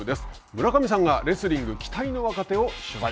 村上さんがレスリング期待の若手を取材。